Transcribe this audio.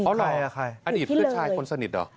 เพราะอะไรอ่ะใครอดีตเพื่อนชายคนสนิทเหรอ